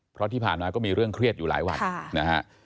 เพราะที่ผ่านมาก็มีเรื่องเครียดอยู่หลายวันนะฮะ